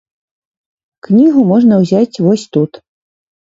Кнігу можна ўзяць вось тут.